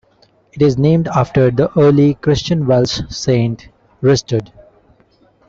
It is named after the early Christian Welsh saint Rhystud.